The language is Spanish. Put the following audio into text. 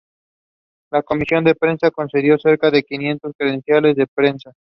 La comisión de prensa concedió cerca de quinientos credenciales de prensa.